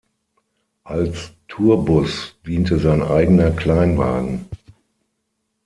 Als Tourbus diente sein eigener Kleinwagen.